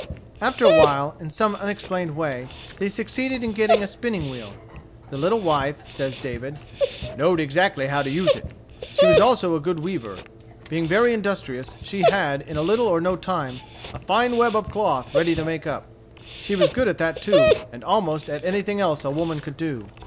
After a while, in some unexplained way, they succeeded in getting a spinning wheel. The little wife, says David, "knowed exactly how to use it. She was also a good weaver. Being very industrious, she had, in little or no time, a fine web of cloth ready to make up. She was good at that too, and at almost anything else a woman could do."